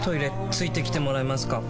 付いてきてもらえますか？